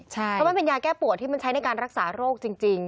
เพราะมันเป็นยาแก้ปวดที่มันใช้ในการรักษาโรคจริง